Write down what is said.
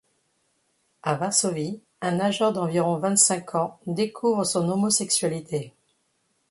À Varsovie, un nageur d'environ vingt-cinq ans découvre son homosexualité.